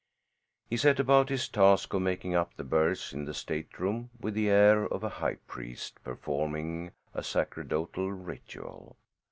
He set about his task of making up the berths in the stateroom with the air of a high priest performing a sacerdotal ritual.